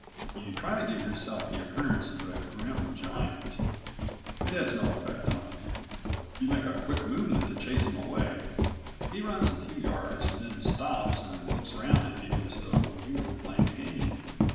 You try to give yourself the appearance of a grim giant: it has no effect on him. You make a quick movement to chase him away: he runs a few yards and then stops and looks round at you as though you were playing a game.